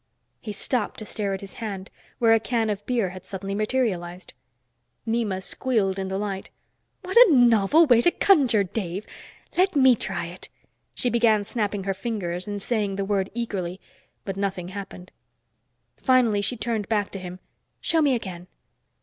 He stopped to stare at his hand, where a can of beer had suddenly materialized! Nema squealed in delight. "What a novel way to conjure, Dave. Let me try it." She began snapping her fingers and saying the word eagerly, but nothing happened. Finally she turned back to him. "Show me again."